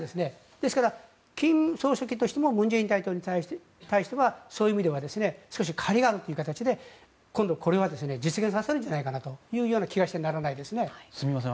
ですから金正恩総書記としても文在寅大統領に対してはそういう意味では少し借りがあるという形で今度これは実現させるんじゃないかなという気がしてならないですね。